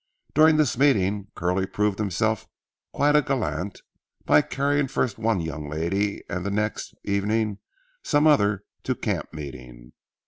During this meeting Curly proved himself quite a gallant by carrying first one young lady and the next evening some other to camp meeting.